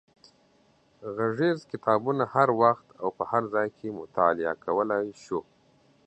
غږیز کتابونه هر وخت او په هر ځای کې مطالعه کولای شو.